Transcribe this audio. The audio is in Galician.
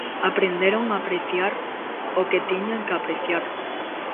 Aprenderon a apreciar o que tiñan que apreciar.